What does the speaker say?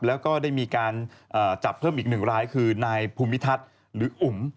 แล้วก็ได้มีการจับเพิ่มอีกหนึ่งรายคือนายภูมิทัศน์หรืออุ๋ม